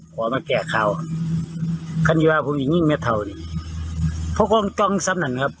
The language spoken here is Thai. ขอมาแก่ข่าวคันยาภูมินิ่งแม่เท่านี้เพราะความต้องสำนักครับ